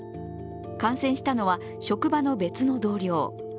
感染したのは職場の別の同僚。